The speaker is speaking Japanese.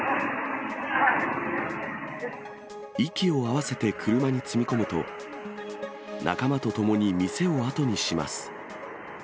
息を合わせて車に積み込むと、仲間と共に店を後にします。